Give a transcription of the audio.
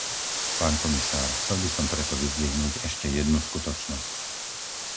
Pán komisár, chcel by som preto vyzdvihnúť ešte jednu skutočnosť.